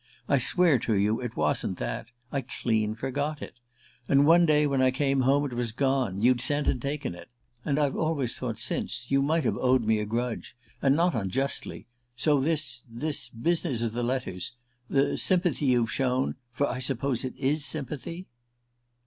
I swear to you it wasn't that I clean forgot it. And one day when I came home it was gone: you'd sent and taken it. And I've always thought since you might have owed me a grudge and not unjustly; so this ... this business of the letters ... the sympathy you've shown ... for I suppose it is sympathy